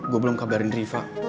gue belum kabarin riva